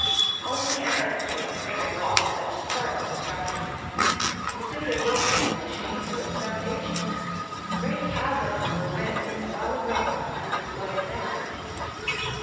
Only an earthquake could have wrought such terrible destruction. The city of Wilmington was shaken to its foundations. Great chasms were rent in the solid rock under the exploding magazines.